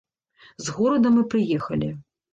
З горада мы прыехалі.